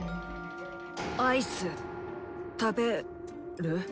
アイス食べる？